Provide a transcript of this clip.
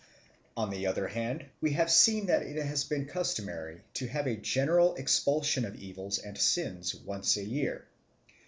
On the other hand we have seen that it has been customary to have a general expulsion of evils and sins once a year.